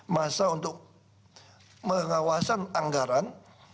masa untuk mengawasan anggaran